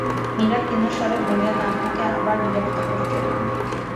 মীরা ক্ষীণ স্বরে বললেন, আপনাকে আবার বিরক্ত করতে এলাম।